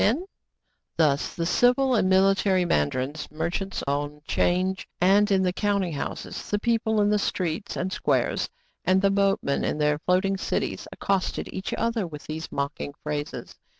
II^v TRIBULATIONS OF A CHINAMAN Thus the civil and military mandarins, mer chants on change and in the counting houses, the people in the streets and squares, and the boatmen in their floating cities, accosted each other with these mocking phrases.